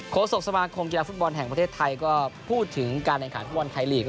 โศกสมาคมกีฬาฟุตบอลแห่งประเทศไทยก็พูดถึงการแข่งขันฟุตบอลไทยลีก